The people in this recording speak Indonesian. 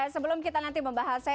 sebelum kita nanti membahas ya